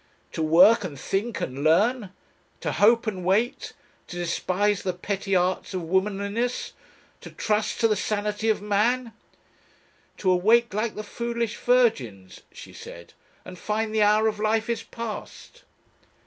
"To work, and think, and learn. To hope and wait. To despise the petty arts of womanliness, to trust to the sanity of man.... "To awake like the foolish virgins," she said, "and find the hour of life is past!"